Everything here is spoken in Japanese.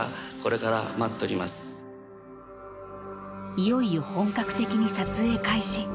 ［いよいよ本格的に撮影開始］